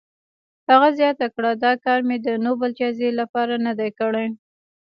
هغه زیاته کړه، دا کار مې د نوبل جایزې لپاره نه دی کړی.